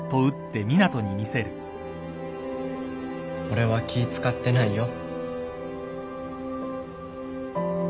俺は気使ってないよ。